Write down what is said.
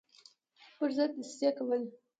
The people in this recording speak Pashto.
پر ضد دسیسې کولې.